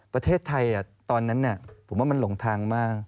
ประเทศไทยตอนนั้นผมว่ามันหลงทางมาก